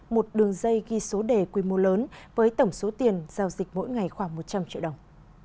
một đường dây ghi số đề quy mô lớn với tổng số tiền giao dịch mỗi ngày khoảng một trăm linh triệu đồng